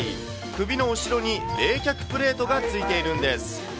首の後ろに冷却プレートが付いているんです。